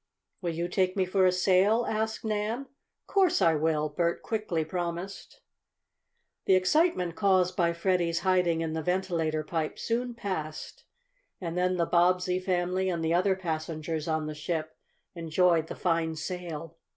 "Will you take me for a sail?" asked Nan. "Course I will!" Bert quickly promised. The excitement caused by Freddie's hiding in the ventilator pipe soon passed, and then the Bobbsey family and the other passengers on the ship enjoyed the fine sail.